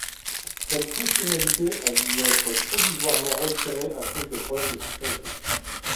Cette fonctionnalité a dû être provisoirement retirée à cause de problèmes de sécurité.